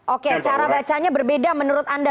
oke cara bacanya berbeda menurut anda